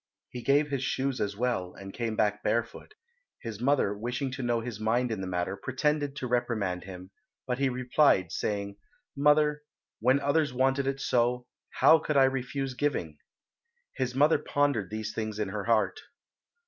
He gave his shoes as well, and came back barefoot. His mother, wishing to know his mind in the matter, pretended to reprimand him, but he replied, saying, "Mother, when others wanted it so, how could I refuse giving?" His mother pondered these things in her heart.